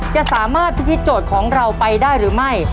จะสามารถพิธีโจทย์ของเราไปได้หรือไม่